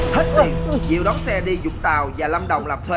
hết điện diệu đóng xe đi dụng tàu và lâm động lập thuê